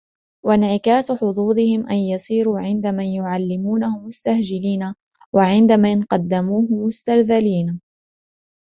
وَانْعِكَاسِ حُظُوظِهِمْ أَنْ يَصِيرُوا عِنْدَ مَنْ يُعَلِّمُوهُ مُسْتَجْهَلِينَ ، وَعِنْدَ مَنْ قَدَّمُوهُ مُسْتَرْذَلِينَ